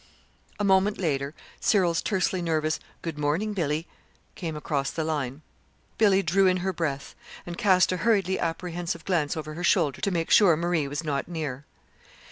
A moment later Cyril's tersely nervous "Good morning, Billy," came across the line. Billy drew in her breath and cast a hurriedly apprehensive glance over her shoulder to make sure Marie was not near.